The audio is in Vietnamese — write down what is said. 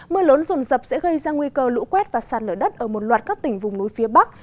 mưa lớn rồn rập sẽ gây ra nguy cơ lũ quét và sạt lở đất ở một loạt các tỉnh vùng núi phía bắc